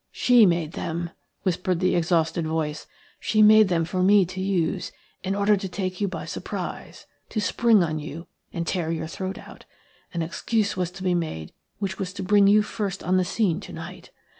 "She made them," whispered the exhausted voice. "She made them for me to use in order to take you by surprise, to spring on you and tear your throat out. An excuse was to be made which was to bring you first on the scene to night.